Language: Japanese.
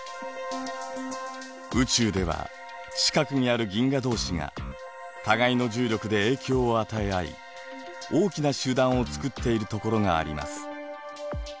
宇宙では近くにある銀河同士が互いの重力で影響を与え合い大きな集団を作っているところがあります。